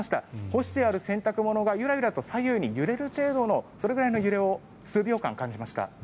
干してある洗濯物が左右にゆらゆらと揺れる程度のそれぐらいの揺れを数秒間感じました。